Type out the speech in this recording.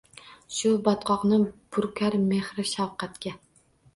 Shu botqoqni burkar mehru shafqatga